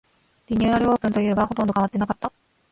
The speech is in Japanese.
リニューアルオープンというが、ほとんど変わってなかった